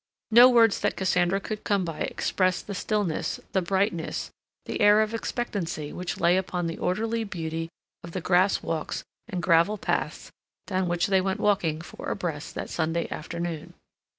No words that Cassandra could come by expressed the stillness, the brightness, the air of expectancy which lay upon the orderly beauty of the grass walks and gravel paths down which they went walking four abreast that Sunday afternoon.